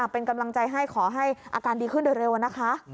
เป็นกำลังใจให้ขอให้อาการดีขึ้นโดยเร็วนะคะ